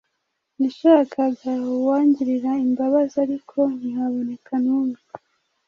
nashatse uwangirira imbabazi, ariko ntihaboneka n’umwe;